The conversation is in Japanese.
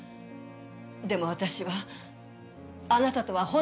でも私はあなたとは本当の親子。